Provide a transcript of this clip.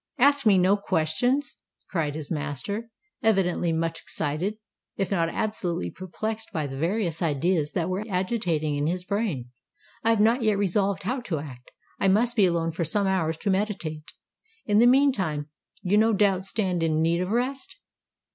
"Ask me no questions!" cried his master, evidently much excited—if not absolutely perplexed by the various ideas that were agitating in his brain. "I have not yet resolved how to act: I must be alone for some hours to meditate! In the meantime you no doubt stand in need of rest?